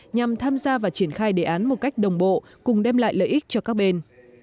nhằm tham gia và triển khai đề án một cách đồng bộ cùng đem lại lợi ích cho các bên